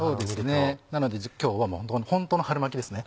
そうですねなので今日はホントの春巻きですね。